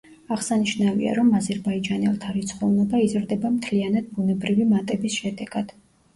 აღსანიშნავია, რომ აზერბაიჯანელთა რიცხოვნობა იზრდება მთლიანად ბუნებრივი მატების შედეგად.